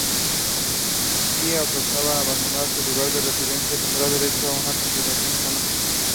Dobie himself was progressing.